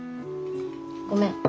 ごめん。